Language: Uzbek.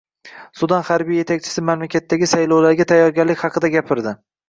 Sudan harbiy yetakchisi mamlakatdagi saylovlarga tayyorgarlik haqida gapirdi